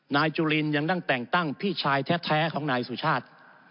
นายจุลินยังนั่งแต่งตั้งพี่ชายแท้ของนายสุชาติ